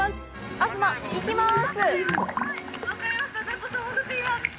東、行きます。